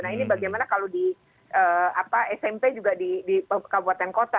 nah ini bagaimana kalau di smp juga di kabupaten kota